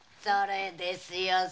それですよ